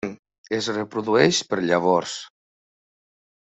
Es reprodueix per llavors.